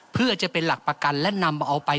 เพื่อจะเป็นหลักประกันและนำเอาไป